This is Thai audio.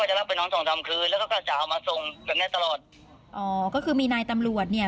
ไม่ได้แน่นอนครับนี่ผมหาวิธีฟ้องเนี่ย